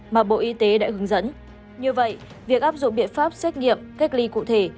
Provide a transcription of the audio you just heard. mà bộ y tế đã hướng dẫn như vậy việc áp dụng biện pháp xét nghiệm cách ly cụ thể